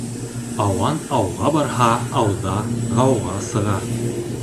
Ауан ауға барһа, ауҙа ғауға сыға.